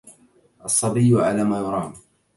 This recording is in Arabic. الصّبيّ على ما يرام.